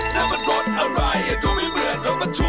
นั่นมันรถอะไรดูไม่เหมือนรถประทุกข์